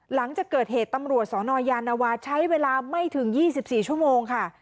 หลังจากเกิดเหตุตำรวจสนยานวาใช้เวลาไม่ถึง๒๔ชั่วโมงค่ะ